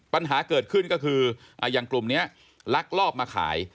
ปัญหาเกิดขึ้นก็คืออย่างกลุ่มนี้ลักลอบมาขาย